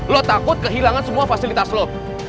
lo takut kehilangan semua fasilitas lo